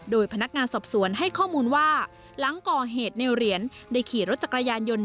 โดยพนักงานสอบสวนให้ข้อมูลว่าหลังก่อเหตุในเหรียญได้ขี่รถจักรยานยนต์